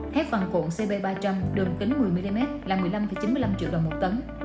thép vàng cuộn cp ba trăm linh đường kính một mươi mm là một mươi năm chín mươi năm triệu đồng mỗi tấn